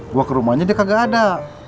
gue ke rumahnya dia kagak ada